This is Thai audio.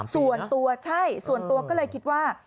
ส่วนตัวใช่ส่วนตัวก็เลยคิดว่า